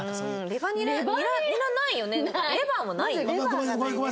レバーもないよ。